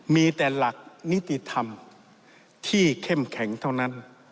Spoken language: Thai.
มีแต่หลักนิติธรรมที่เข้มแข็งเท่านั้น